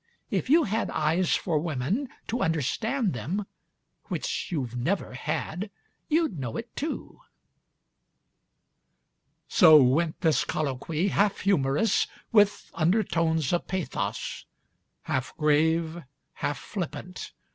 If you had eyes for women, To understand them, which you've never had, You'd know it too ....' So went this colloquy, Half humorous, with undertones of pathos, Half grave, half flippant